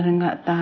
suami saya putih